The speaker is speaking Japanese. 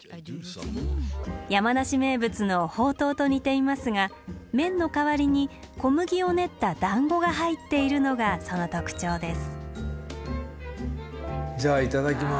山梨名物の「ほうとう」と似ていますが麺の代わりに小麦を練った団子が入っているのがその特徴です。